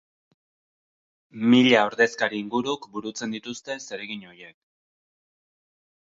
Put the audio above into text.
Mila ordezkari inguruk burutzen dituzte zeregin horiek.